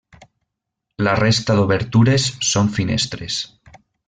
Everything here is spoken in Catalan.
La resta d'obertures són finestres.